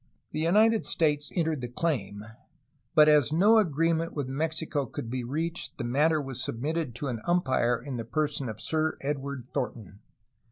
The United States entered the claim, but as no agreement with Mexico could be reached the matter was submitted to an umpire in the person of Sir Edward Thornton.